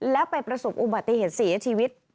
แล้วไปประสบอุบัติเหตุเสียชีวิต